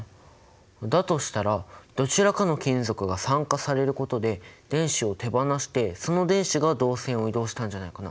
だとしたらどちらかの金属が酸化されることで電子を手放してその電子が導線を移動したんじゃないかな？